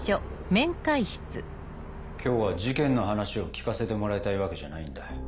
今日は事件の話を聞かせてもらいたいわけじゃないんだ。